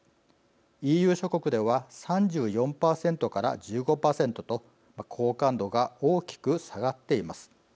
ＥＵ諸国では３４％から１５％と好感度が大きく下がっています。